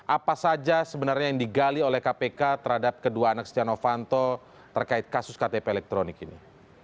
apa saja sebenarnya yang digali oleh kpk terhadap kedua anak stiano fanto terkait kasus ktp elektronik ini